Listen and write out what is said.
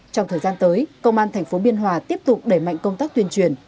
trong thời gian tới công an thành phố biên hòa tiếp tục đẩy mạnh công tác tuyên truyền